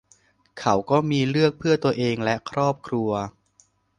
เขาก็มีเลือกเพื่อตัวเองและครอบครัว